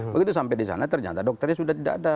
begitu sampai di sana ternyata dokternya sudah tidak ada